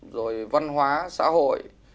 rồi văn hóa xã hội